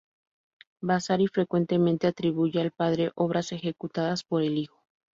Vasari frecuentemente atribuye al padre obras ejecutadas por el hijo.